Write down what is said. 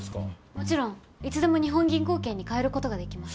もちろんいつでも日本銀行券に換えることができます。